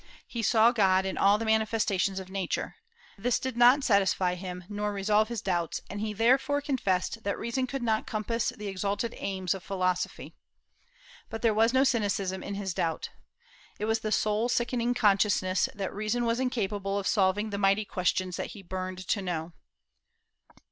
He saw God in all the manifestations of Nature. This did not satisfy him nor resolve his doubts, and he therefore confessed that reason could not compass the exalted aims of philosophy. But there was no cynicism in his doubt. It was the soul sickening consciousness that reason was incapable of solving the mighty questions that he burned to know.